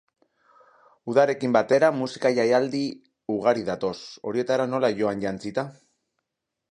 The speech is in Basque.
Udarekin batera musika jaialdi ugari datoz, horietara nola joan jantzita?